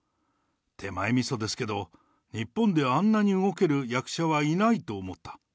手前みそですけど、日本であんなに動ける役者はいないと思った。